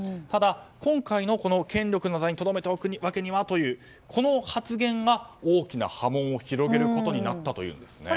ただ、今回の権力の座にとどめておくわけにはというこの発言が、大きな波紋を広げることになったというんです。